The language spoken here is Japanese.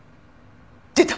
出た！